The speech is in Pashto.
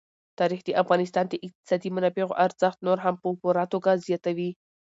تاریخ د افغانستان د اقتصادي منابعو ارزښت نور هم په پوره توګه زیاتوي.